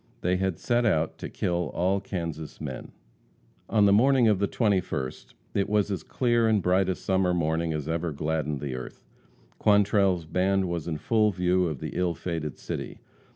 They had set out to kill all Kansas men. [Illustration: After Lawrence.] On the morning of the 21st, it was as clear and bright a summer morning as ever gladdened the earth. Quantrell's band was in full view of the ill fated city.